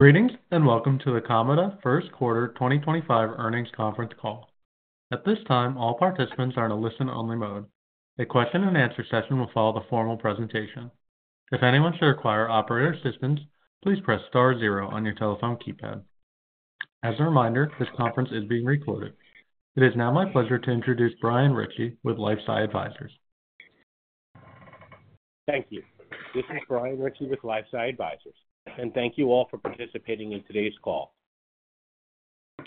Greetings and welcome to the Kamada First Quarter 2025 Earnings Conference call. At this time, all participants are in a listen-only mode. A question-and-answer session will follow the formal presentation. If anyone should require operator assistance, please press star zero on your telephone keypad. As a reminder, this conference is being recorded. It is now my pleasure to introduce Brian Ritchie with LifeSci Advisors. Thank you. This is Brian Ritchie with LifeSci Advisors, and thank you all for participating in today's call.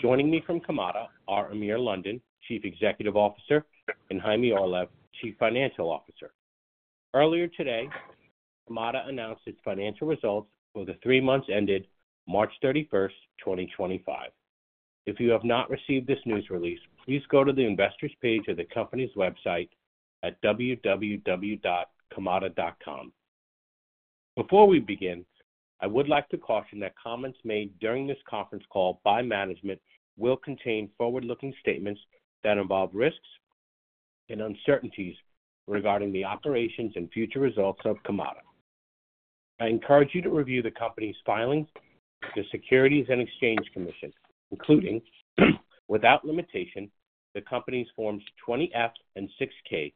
Joining me from Kamada are Amir London, Chief Executive Officer, and Chaime Orlev, Chief Financial Officer. Earlier today, Kamada announced its financial results for the three months ended March 31, 2025. If you have not received this news release, please go to the investors' page of the company's website at www.kamada.com. Before we begin, I would like to caution that comments made during this conference call by management will contain forward-looking statements that involve risks and uncertainties regarding the operations and future results of Kamada. I encourage you to review the company's filings with the Securities and Exchange Commission, including, without limitation, the company's Forms 20-F and 6-K,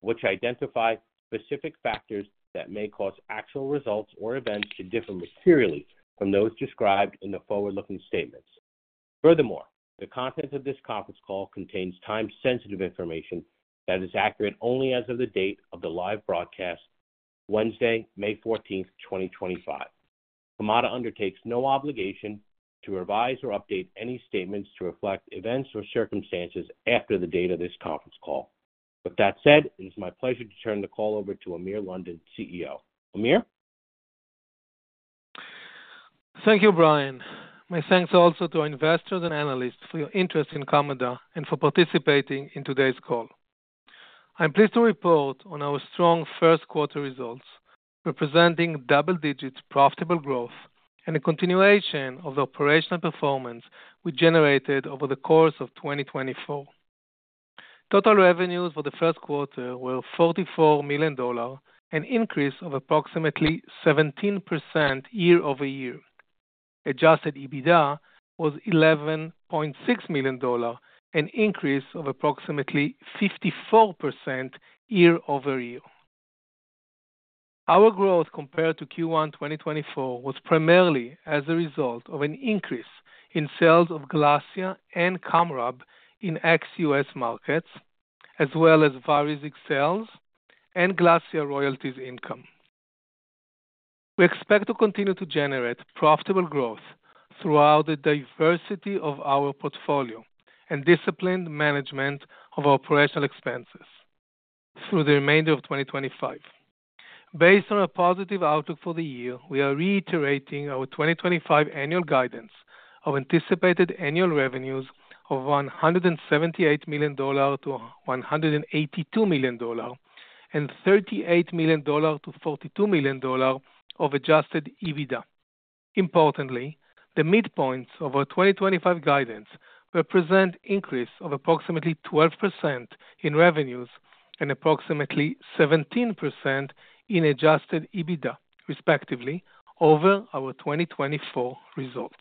which identify specific factors that may cause actual results or events to differ materially from those described in the forward-looking statements. Furthermore, the contents of this conference call contain time-sensitive information that is accurate only as of the date of the live broadcast, Wednesday, May 14th, 2025. Kamada undertakes no obligation to revise or update any statements to reflect events or circumstances after the date of this conference call. With that said, it is my pleasure to turn the call over to Amir London, CEO. Amir? Thank you, Brian. My thanks also to our investors and analysts for your interest in Kamada and for participating in today's call. I'm pleased to report on our strong first-quarter results, representing double-digit profitable growth and a continuation of the operational performance we generated over the course of 2024. Total revenues for the first quarter were $44 million, an increase of approximately 17% year over year. Adjusted EBITDA was $11.6 million, an increase of approximately 54% year over year. Our growth compared to Q1 2024 was primarily as a result of an increase in sales of GLASSIA and KEDRAB in ex-US markets, as well as various ex-US and GLASSIA royalties income. We expect to continue to generate profitable growth throughout the diversity of our portfolio and disciplined management of our operational expenses through the remainder of 2025. Based on a positive outlook for the year, we are reiterating our 2025 annual guidance of anticipated annual revenues of $178 million-$182 million and $38 million-$42 million of adjusted EBITDA. Importantly, the midpoint of our 2025 guidance represents an increase of approximately 12% in revenues and approximately 17% in adjusted EBITDA, respectively, over our 2024 results.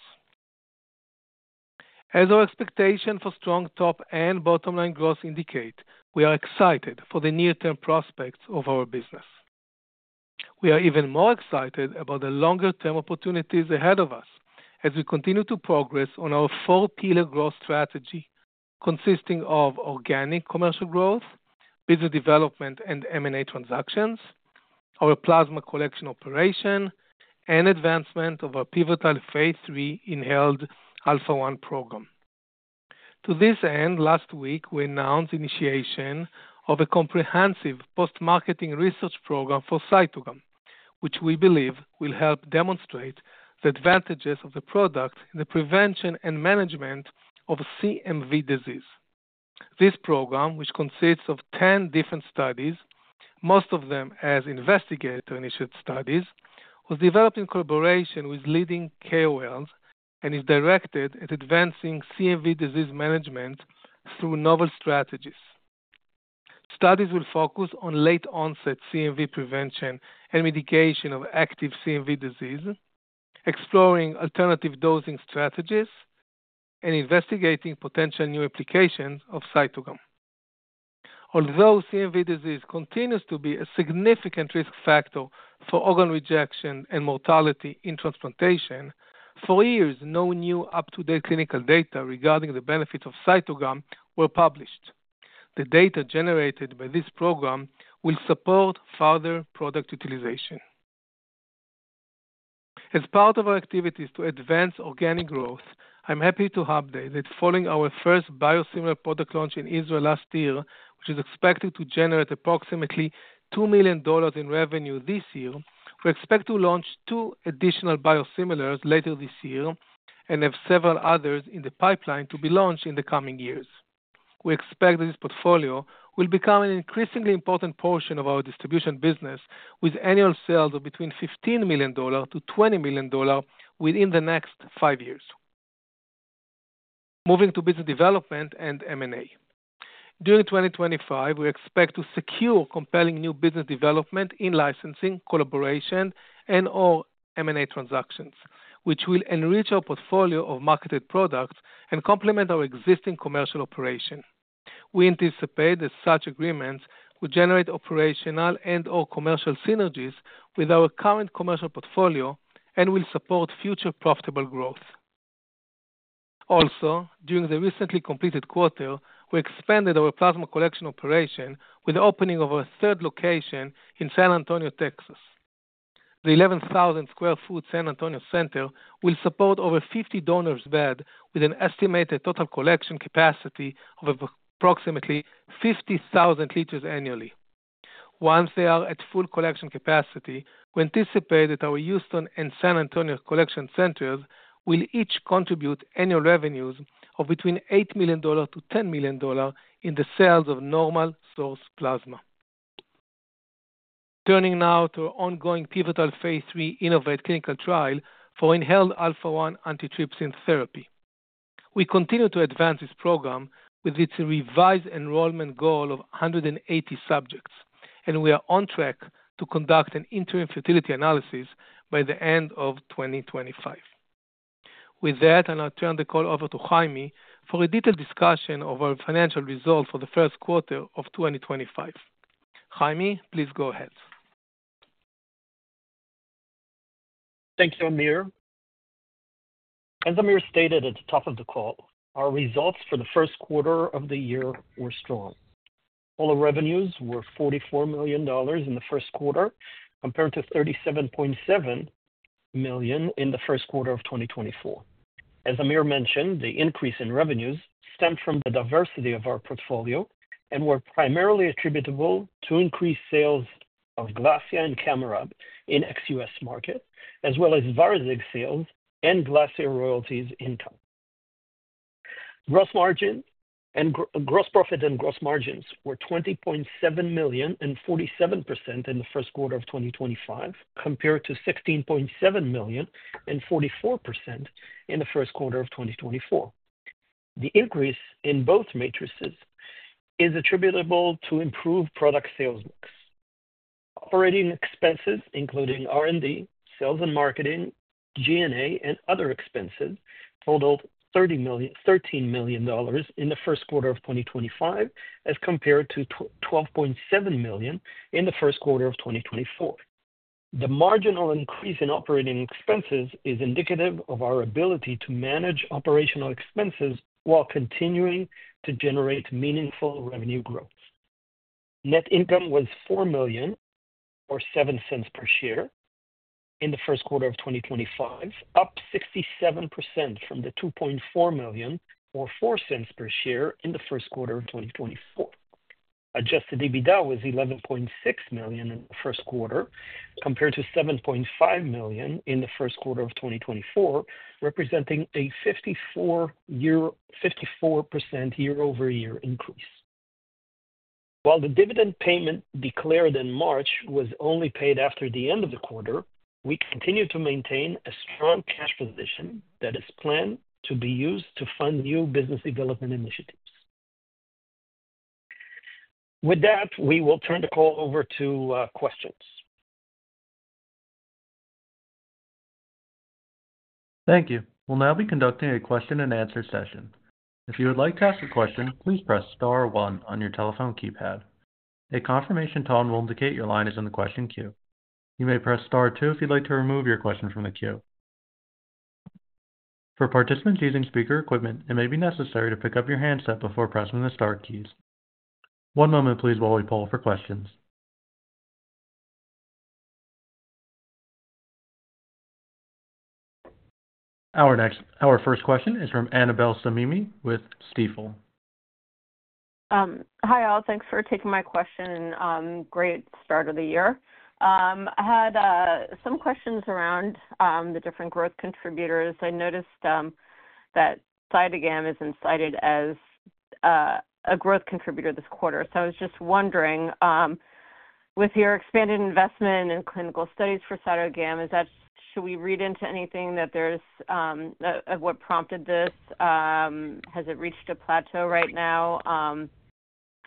As our expectations for strong top and bottom-line growth indicate, we are excited for the near-term prospects of our business. We are even more excited about the longer-term opportunities ahead of us as we continue to progress on our four-pillar growth strategy consisting of organic commercial growth, business development and M&A transactions, our plasma collection operation, and advancement of our pivotal phase inherited Alpha-1 program. To this end, last week, we announced the initiation of a comprehensive post-marketing research program for CYTOGAM, which we believe will help demonstrate the advantages of the product in the prevention and management of CMV disease. This program, which consists of 10 different studies, most of them as investigator-initiated studies, was developed in collaboration with leading KOLs and is directed at advancing CMV disease management through novel strategies. Studies will focus on late-onset CMV prevention and mitigation of active CMV disease, exploring alternative dosing strategies, and investigating potential new applications of CYTOGAM. Although CMV disease continues to be a significant risk factor for organ rejection and mortality in transplantation, for years, no new up-to-date clinical data regarding the benefits of CYTOGAM were published. The data generated by this program will support further product utilization. As part of our activities to advance organic growth, I'm happy to update that following our first biosimilar product launch in Israel last year, which is expected to generate approximately $2 million in revenue this year, we expect to launch two additional biosimilars later this year and have several others in the pipeline to be launched in the coming years. We expect that this portfolio will become an increasingly important portion of our distribution business, with annual sales of between $15 million-$20 million within the next five years. Moving to business development and M&A. During 2025, we expect to secure compelling new business development in licensing, collaboration, and/or M&A transactions, which will enrich our portfolio of marketed products and complement our existing commercial operation. We anticipate that such agreements will generate operational and/or commercial synergies with our current commercial portfolio and will support future profitable growth. Also, during the recently completed quarter, we expanded our plasma collection operation with the opening of our third location in San Antonio, Texas. The 11,000 sq ft San Antonio center will support over 50 donors' beds with an estimated total collection capacity of approximately 50,000 liters annually. Once they are at full collection capacity, we anticipate that our Houston and San Antonio collection centers will each contribute annual revenues of between $8 million-$10 million in the sales of normal source plasma. Turning now to our ongoing pivotal phase III InnovAATe clinical trial for inhaled Alpha-1 Antitrypsin therapy. We continue to advance this program with its revised enrollment goal of 180 subjects, and we are on track to conduct an interim futility analysis by the end of 2025. With that, I now turn the call over to Chaime for a detailed discussion of our financial results for the first quarter of 2025. Chaime, please go ahead. Thank you, Amir. As Amir stated at the top of the call, our results for the first quarter of the year were strong. All our revenues were $44 million in the first quarter compared to $37.7 million in the first quarter of 2024. As Amir mentioned, the increase in revenues stemmed from the diversity of our portfolio and were primarily attributable to increased sales of GLASSIA and KEDRAB in ex-US markets, as well as VARIZIG sales and GLASSIA royalties income. Gross margin and gross profit and gross margins were $20.7 million and 47% in the first quarter of 2025 compared to $16.7 million and 44% in the first quarter of 2024. The increase in both matrices is attributable to improved product sales mix. Operating expenses, including R&D, sales and marketing, G&A, and other expenses, totaled $13 million in the first quarter of 2025 as compared to $12.7 million in the first quarter of 2024. The marginal increase in operating expenses is indicative of our ability to manage operational expenses while continuing to generate meaningful revenue growth. Net income was $4 million or $0.07 per share in the first quarter of 2025, up 67% from the $2.4 million or $0.04 per share in the first quarter of 2024. Adjusted EBITDA was $11.6 million in the first quarter compared to $7.5 million in the first quarter of 2024, representing a 54% year-over-year increase. While the dividend payment declared in March was only paid after the end of the quarter, we continue to maintain a strong cash position that is planned to be used to fund new business development initiatives. With that, we will turn the call over to questions. Thank you. We'll now be conducting a question-and-answer session. If you would like to ask a question, please press star one on your telephone keypad. A confirmation tone will indicate your line is in the question queue. You may press star two if you'd like to remove your question from the queue. For participants using speaker equipment, it may be necessary to pick up your handset before pressing the star keys. One moment, please, while we poll for questions. Our first question is from Annabel Samimy with Stifel. Hi, all. Thanks for taking my question. Great start of the year. I had some questions around the different growth contributors. I noticed that CYTOGAM is cited as a growth contributor this quarter. I was just wondering, with your expanded investment in clinical studies for CYTOGAM, should we read into anything that prompted this? Has it reached a plateau right now?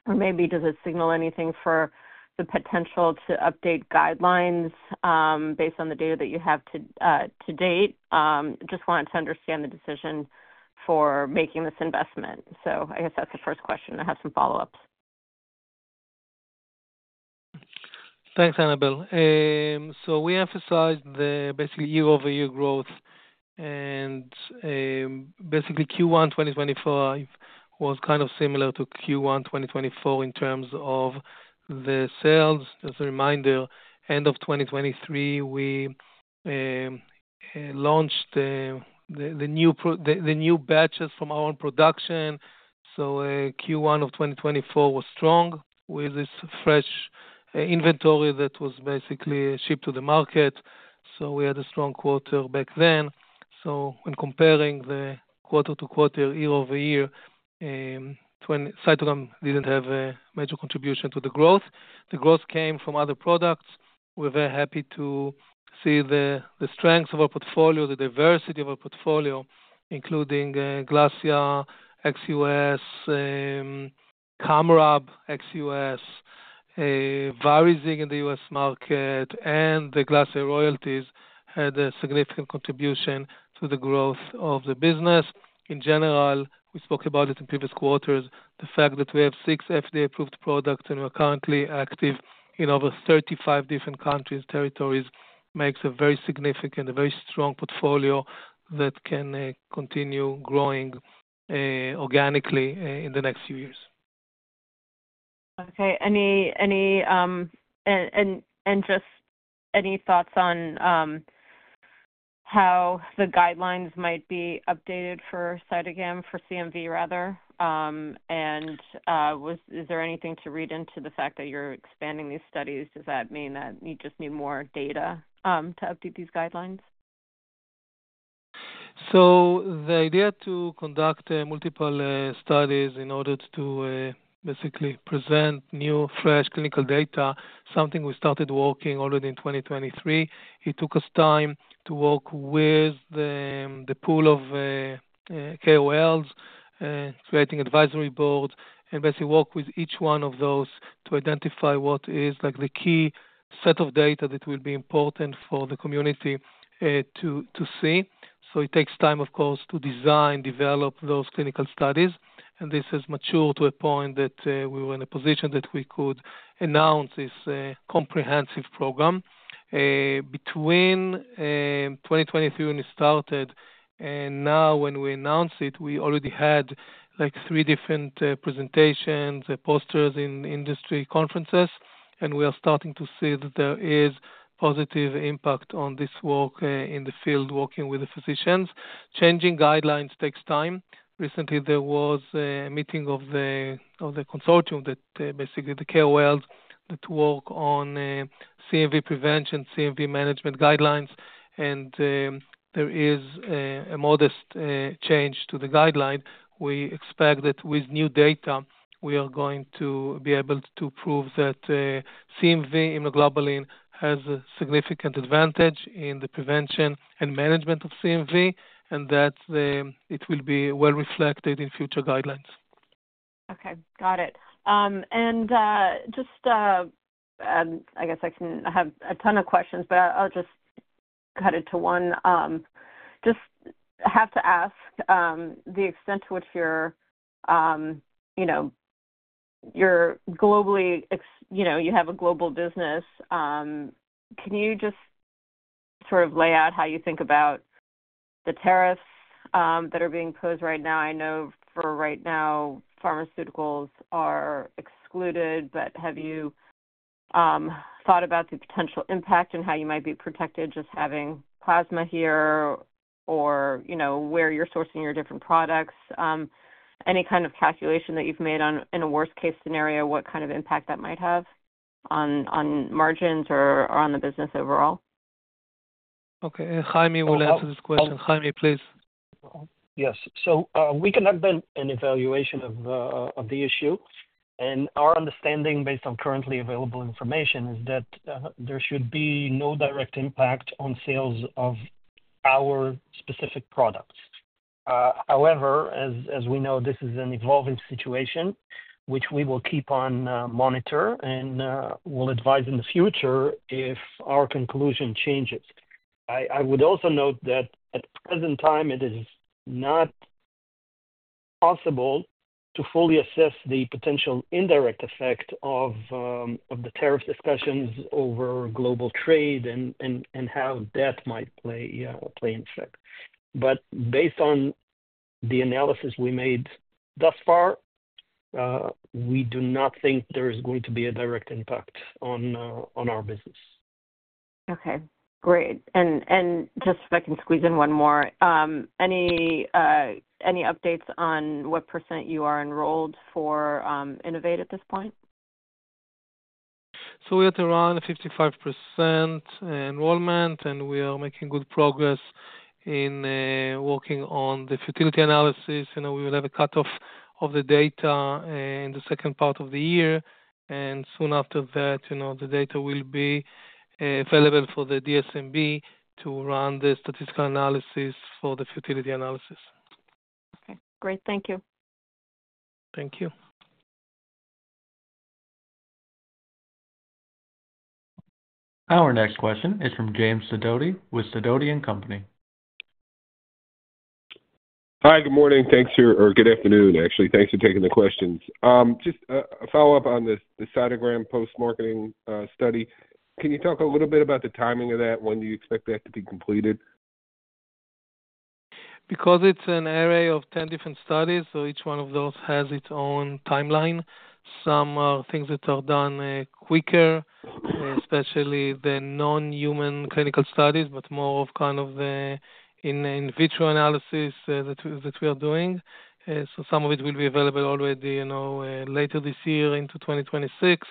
Does it signal anything for the potential to update guidelines based on the data that you have to date? I just wanted to understand the decision for making this investment. I guess that's the first question. I have some follow-ups. Thanks, Annabel. We emphasized the basically year-over-year growth. Basically, Q1 2025 was kind of similar to Q1 2024 in terms of the sales. As a reminder, end of 2023, we launched the new batches from our own production. Q1 of 2024 was strong with this fresh inventory that was basically shipped to the market. We had a strong quarter back then. When comparing the quarter-to-quarter, year-over-year, CYTOGAM did not have a major contribution to the growth. The growth came from other products. We're very happy to see the strengths of our portfolio, the diversity of our portfolio, including GLASSIA, ex-US, KEDRAB, ex-US, VARIZIG in the US market, and the GLASSIA royalties had a significant contribution to the growth of the business. In general, we spoke about it in previous quarters. The fact that we have six FDA-approved products and we're currently active in over 35 different countries, territories makes a very significant, a very strong portfolio that can continue growing organically in the next few years. Okay. Any and just any thoughts on how the guidelines might be updated for CYTOGAM, for CMV, rather? And is there anything to read into the fact that you're expanding these studies? Does that mean that you just need more data to update these guidelines? The idea to conduct multiple studies in order to basically present new fresh clinical data, something we started working already in 2023, it took us time to work with the pool of KOLs, creating advisory boards, and basically work with each one of those to identify what is like the key set of data that will be important for the community to see. It takes time, of course, to design, develop those clinical studies. This has matured to a point that we were in a position that we could announce this comprehensive program. Between 2023 when we started and now when we announced it, we already had like three different presentations, posters in industry conferences. We are starting to see that there is positive impact on this work in the field, working with the physicians. Changing guidelines takes time. Recently, there was a meeting of the consortium that basically the KOLs that work on CMV prevention, CMV management guidelines. There is a modest change to the guideline. We expect that with new data, we are going to be able to prove that CMV immunoglobulin has a significant advantage in the prevention and management of CMV, and that it will be well reflected in future guidelines. Okay. Got it. I guess I can have a ton of questions, but I'll just cut it to one. Just have to ask the extent to which you're globally, you have a global business. Can you just sort of lay out how you think about the tariffs that are being imposed right now? I know for right now, pharmaceuticals are excluded, but have you thought about the potential impact and how you might be protected just having plasma here or where you're sourcing your different products? Any kind of calculation that you've made on in a worst-case scenario, what kind of impact that might have on margins or on the business overall? Okay. Chaime will answer this question. Chaime, please. Yes. We conducted an evaluation of the issue. Our understanding based on currently available information is that there should be no direct impact on sales of our specific products. However, as we know, this is an evolving situation, which we will keep on monitoring and will advise in the future if our conclusion changes. I would also note that at present time, it is not possible to fully assess the potential indirect effect of the tariff discussions over global trade and how that might play in effect. Based on the analysis we made thus far, we do not think there is going to be a direct impact on our business. Okay. Great. And just if I can squeeze in one more, any updates on what percent you are enrolled for InnovAATe at this point? We're at around 55% enrollment, and we are making good progress in working on the fertility analysis. We will have a cut-off of the data in the second part of the year. Soon after that, the data will be available for the DSMB to run the statistical analysis for the fertility analysis. Okay. Great. Thank you. Thank you. Our next question is from James Sidoti with Sidoti & Company. Hi, good morning. Thanks for or good afternoon, actually. Thanks for taking the questions. Just a follow-up on the CYTOGAM post-marketing study. Can you talk a little bit about the timing of that? When do you expect that to be completed? Because it's an array of 10 different studies, so each one of those has its own timeline. Some things that are done quicker, especially the non-human clinical studies, but more of kind of the in vitro analysis that we are doing. Some of it will be available already later this year into 2026,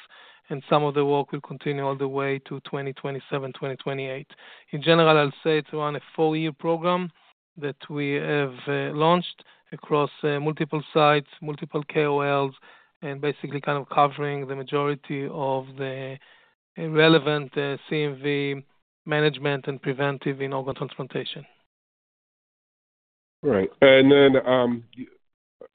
and some of the work will continue all the way to 2027, 2028. In general, I'll say it's around a four-year program that we have launched across multiple sites, multiple KOLs, and basically kind of covering the majority of the relevant CMV management and preventive in organ transplantation. All right.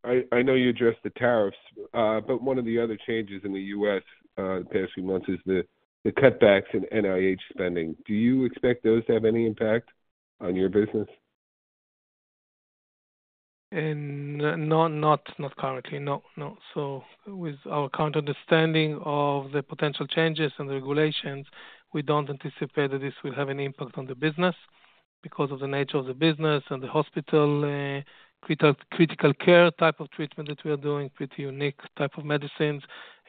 I know you addressed the tariffs, but one of the other changes in the U.S. the past few months is the cutbacks in NIH spending. Do you expect those to have any impact on your business? Not currently. No. No. With our current understanding of the potential changes and the regulations, we do not anticipate that this will have any impact on the business because of the nature of the business and the hospital critical care type of treatment that we are doing, pretty unique type of medicines.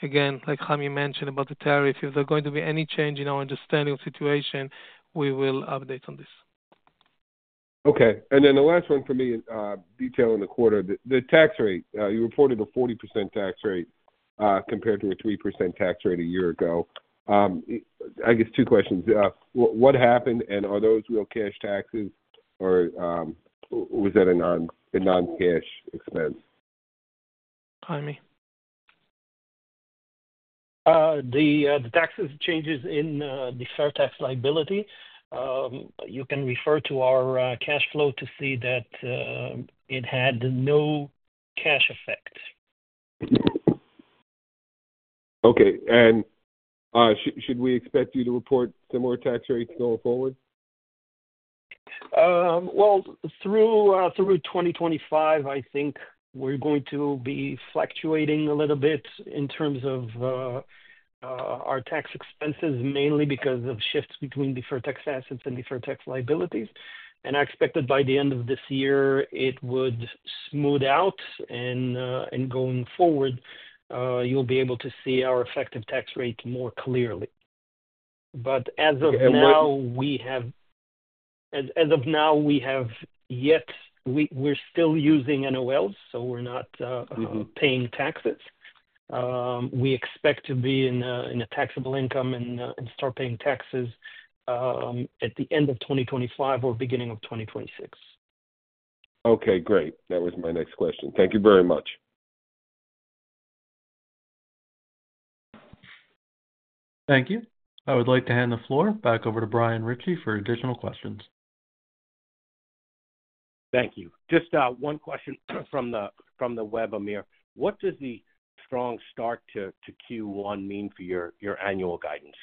Again, like Chaime mentioned about the tariff, if there is going to be any change in our understanding of the situation, we will update on this. Okay. And then the last one for me, detail in the quarter, the tax rate. You reported a 40% tax rate compared to a 3% tax rate a year ago. I guess two questions. What happened, and are those real cash taxes, or was that a non-cash expense? Chaime. The taxes changes in the fair tax liability. You can refer to our cash flow to see that it had no cash effect. Okay. Should we expect you to report similar tax rates going forward? Through 2025, I think we're going to be fluctuating a little bit in terms of our tax expenses, mainly because of shifts between the fair tax assets and the fair tax liabilities. I expect by the end of this year, it would smooth out. Going forward, you'll be able to see our effective tax rate more clearly. As of now, we have yet, we're still using NOLs, so we're not paying taxes. We expect to be in a taxable income and start paying taxes at the end of 2025 or beginning of 2026. Okay. Great. That was my next question. Thank you very much. Thank you. I would like to hand the floor back over to Brian Ritchie for additional questions. Thank you. Just one question from the web, Amir. What does the strong start to Q1 mean for your annual guidance?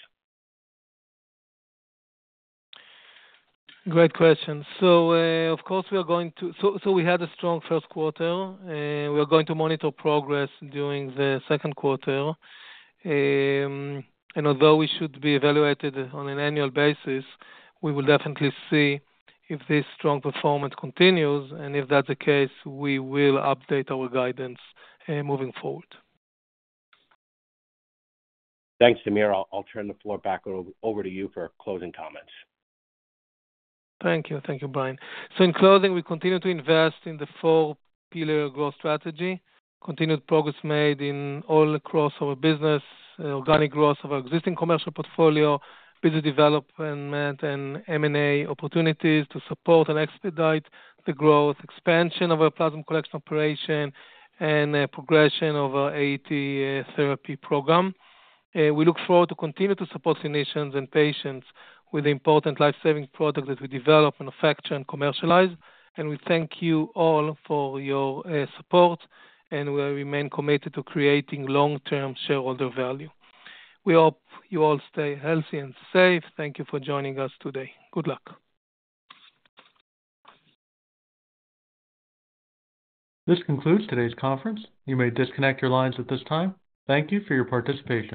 Great question. Of course, we are going to, so we had a strong first quarter. We are going to monitor progress during the second quarter. Although we should be evaluated on an annual basis, we will definitely see if this strong performance continues. If that's the case, we will update our guidance moving forward. Thanks, Amir. I'll turn the floor back over to you for closing comments. Thank you. Thank you, Brian. In closing, we continue to invest in the four-pillar growth strategy, continued progress made in all across our business, organic growth of our existing commercial portfolio, business development, and M&A opportunities to support and expedite the growth, expansion of our plasma collection operation, and progression of our AAT therapy program. We look forward to continue to support clinicians and patients with the important lifesaving product that we develop, manufacture, and commercialize. We thank you all for your support, and we remain committed to creating long-term shareholder value. We hope you all stay healthy and safe. Thank you for joining us today. Good luck. This concludes today's conference. You may disconnect your lines at this time. Thank you for your participation.